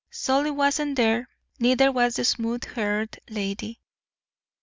"Solly wasn't there. Neither was the smooth haired lady.